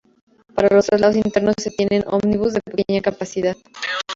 Para los traslados internos se tienen ómnibus de pequeña capacidad.